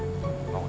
aku beliin perhiasan